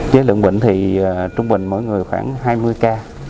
với lượng bệnh thì trung bình mỗi người khoảng hai mươi ca